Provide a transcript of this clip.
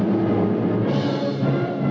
lagu kebangsaan indonesia raya